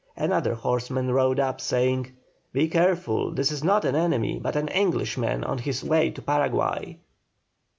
Another horseman rode up saying "Be careful; this is not an enemy, but an Englishman on his way to Paraguay."